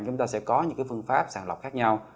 chúng ta sẽ có những phương pháp sàng lọc khác nhau